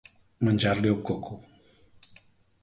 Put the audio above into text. Menjar-li el coco.